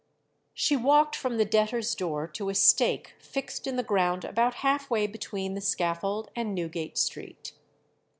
She walked from the debtors' door to a stake fixed in the ground about half way between the scaffold and Newgate Street.